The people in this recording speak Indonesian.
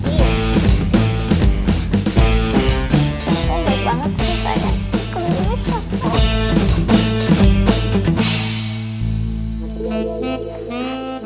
oh baik banget sih sayang